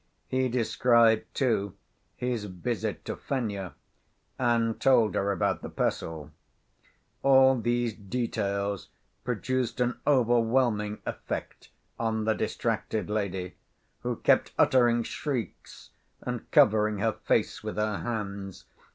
He described, too, his visit to Fenya, and told her about the pestle. All these details produced an overwhelming effect on the distracted lady, who kept uttering shrieks, and covering her face with her hands....